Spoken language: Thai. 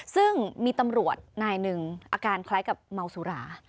ซึ่งมีตำรวจนายหนึ่งอาการคล้ายกับเมาสุรา